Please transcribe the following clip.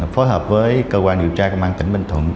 phối hợp với cơ quan điều tra công an tỉnh bình thuận